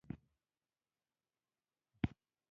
مارسېډیز بینز موټر بیه تر دوه سوه زرو ډالرو پورې ده